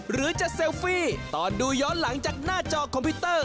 หรือจะเซลฟี่ตอนดูย้อนหลังจากหน้าจอคอมพิวเตอร์